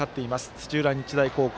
土浦日大高校